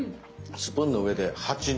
スプーンの上で８：２。